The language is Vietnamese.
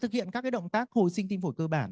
thực hiện các động tác hồi sinh tim phổi cơ bản